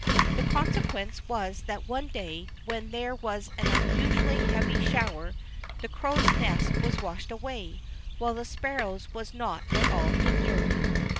The consequence was that one day, when there was an unusually heavy shower, the Crow's nest was washed away, while the Sparrow's was not at all injured.